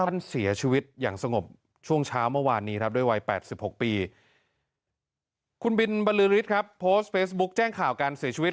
ท่านเสียชีวิตอย่างสงบช่วงเช้าเมื่อวานนี้ครับด้วยวัยแปดสิบหกปี